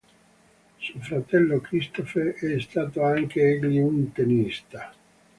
Suo fratello Christophe è stato anch'egli un tennista.